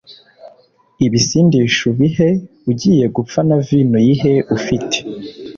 ibisindisha ubihe ugiye gupfa na vino uyihe ufite